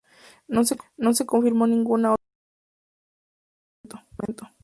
No se confirmó ninguna otra ubicación de lanzamiento en ese momento.